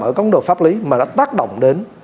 ở công đồ pháp lý mà nó tác động đến